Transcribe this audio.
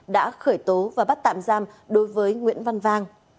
đã khởi tố và bắt tạm giam đối với nguyễn văn vang